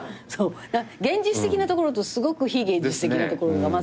現実的なところとすごく非現実的なところがまざって。